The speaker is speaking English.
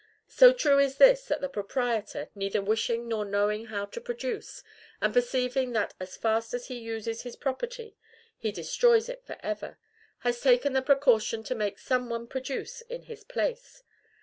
So true is this, that the proprietor neither wishing nor knowing how to produce, and perceiving that as fast as he uses his property he destroys it for ever has taken the precaution to make some one produce in his place.